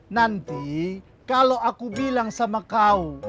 nanti kalau aku bilang sama kau